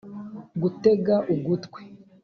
gutega ugutwi.